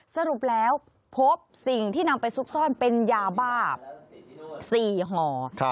สรุปแล้วพบสิ่งที่นำไปซุกซ่อนเป็นยาบ้า๔ห่อ